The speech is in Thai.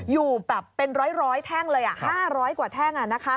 อยู่แบบเป็นร้อยแท่งเลย๕๐๐กว่าแท่ง